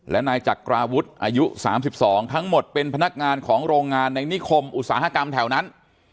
และนายจักราวุฒิอายุ๓๒ทั้งหมดเป็นพนักงานของโรงงานในนิคมอุตสาหกรรมแถวนั้น